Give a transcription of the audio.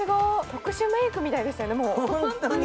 特殊メークみたいですよね。